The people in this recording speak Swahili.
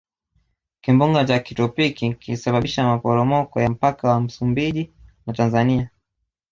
kimbunga cha kitropiki kilisababisha maporomoko ya mpaka wa msumbiji na tanzania